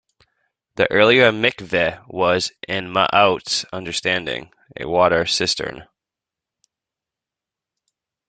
The earlier "miqveh" was, in Ma'oz' understanding, a water cistern.